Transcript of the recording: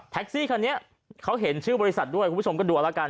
ซี่คันนี้เขาเห็นชื่อบริษัทด้วยคุณผู้ชมก็ดูเอาละกัน